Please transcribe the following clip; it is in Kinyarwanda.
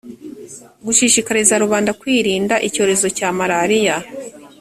gushishikariza rubanda kwirinda icyorezo cya malaliya